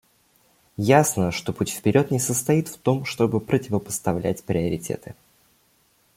Ясно, что путь вперед не состоит в том, чтобы противопоставлять приоритеты.